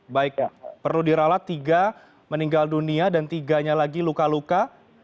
baik perlu dirawat tiga meninggal dunia dan tiganya lagi luka luka